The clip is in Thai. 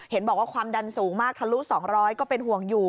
เห็นบอกว่าความดันสูงมากทะลุ๒๐๐ก็เป็นห่วงอยู่